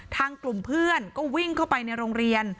ทางกลุ่มเพื่อนก็วิ่งเข้าไปในโรงเรียน